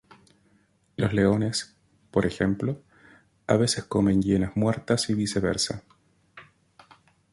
Los leones, por ejemplo, a veces comen hienas muertas y viceversa.